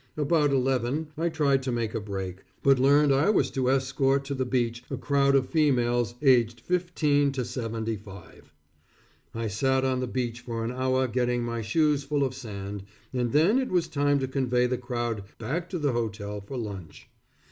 About eleven, I tried to make a break, but learned I was to escort to the beach a crowd of females aged fifteen to seventy five. I sat on the beach for an hour getting my shoes full of sand, and then it was time to convey the crowd back to the hotel for lunch.